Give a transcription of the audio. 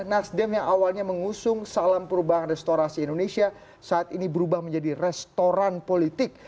nasdem yang awalnya mengusung salam perubahan restorasi indonesia saat ini berubah menjadi restoran politik